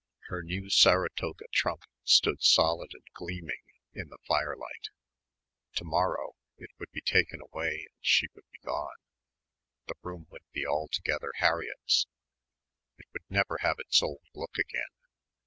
Her new Saratoga trunk stood solid and gleaming in the firelight. To morrow it would be taken away and she would be gone. The room would be altogether Harriett's. It would never have its old look again.